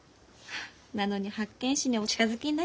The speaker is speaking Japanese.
なのに八犬士にお近づきになれて。